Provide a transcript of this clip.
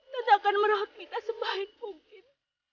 tante akan merawat mita sebaik mungkin